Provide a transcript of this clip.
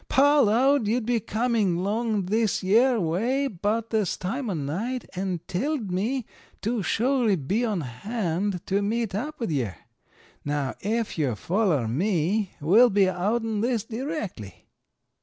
Paw'lowed you'd be coming along this yere way 'bout this time o' night, en' telled me to shorely be on hand to meet up with yer. Now, ef yo'll foller me, we'll be outen this direckly.'